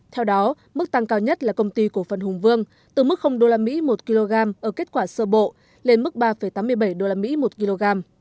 theo đó mức tăng cao nhất là công ty cổ phần hùng vương từ mức usd một kg ở kết quả sơ bộ lên mức ba tám mươi bảy usd một kg